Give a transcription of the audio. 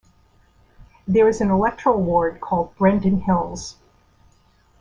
There is an electoral ward called 'Brendon Hills'.